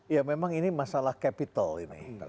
ya memang ini masalah capital ini